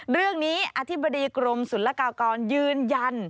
เรื่องนี้อธิบดีกรมศุลกากรยืนยัน